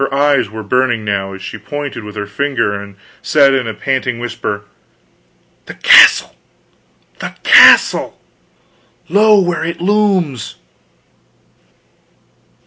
Her eyes were burning now, as she pointed with her finger, and said in a panting whisper: "The castle! The castle! Lo, where it looms!"